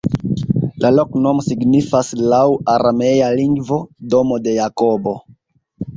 La loknomo signifas laŭ aramea lingvo: "domo de Jakobo".